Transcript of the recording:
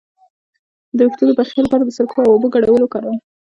د ویښتو د پخې لپاره د سرکې او اوبو ګډول وکاروئ